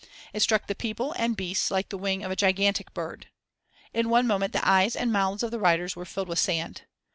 It struck the people and beasts like the wing of a gigantic bird. In one moment the eyes and mouths of the riders were filled with sand.